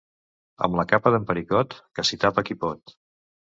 Amb la capa d'en Pericot, que s'hi tapa qui pot.